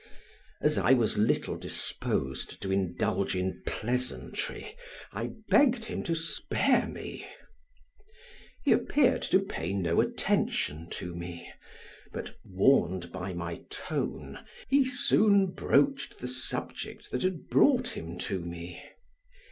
As I was little disposed to indulge in pleasantry I begged him to spare me. He appeared to pay no attention to me, but warned by my tone he soon broached the subject that had brought him to me.